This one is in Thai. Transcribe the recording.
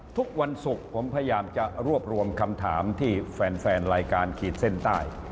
ทุกวันศุกร์ผมพยายามจะรวบรวมคำถามที่แฟนรายการขีดเส้นใต้